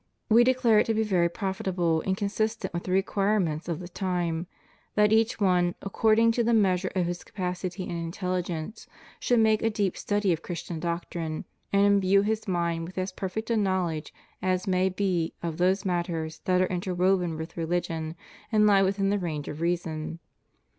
We declare it to be very profitable and consistent with the requirements of the time, that each one, according to the measure of his capac ity and intelligence, should make a deep study of Chris tian doctrine, and imbue his mind with as perfect a knowl edge as may be of those matters that are interwoven with religion and lie within the range of reason.